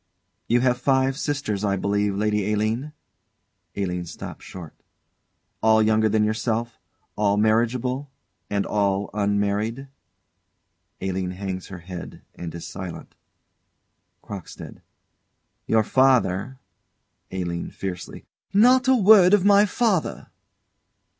You have five sisters, I believe, Lady Aline? [ALINE stops short.] All younger than yourself, all marriageable, and all unmarried? [ALINE hangs her head and is silent. CROCKSTEAD. Your father ALINE. [Fiercely.] Not a word of my father!